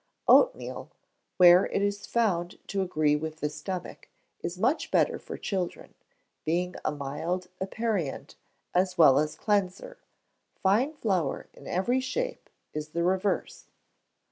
Oatmeal, where it is found to agree with the stomach, is much better for children, being a mild aperient as well as cleanser; fine flour in every shape is the reverse.